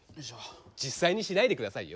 実際にしないで下さいよ。